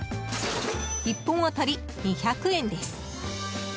１本当たり２００円です。